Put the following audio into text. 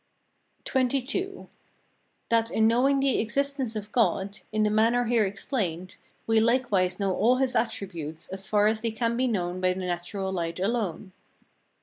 XXII. That in knowing the existence of God, in the manner here explained, we likewise know all his attributes, as far as they can be known by the natural light alone.